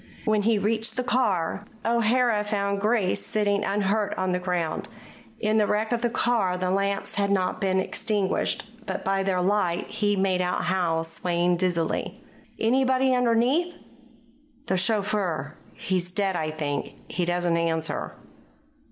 When he reached the car, O'Hara found Grace sitting unhurt on the ground. In the wreck of the car the lamps had not been extinguished, and by their light he made out Howe, swaying dizzily. "Anybody underneath?" "The chauffeur. He's dead, I think. He doesn't answer."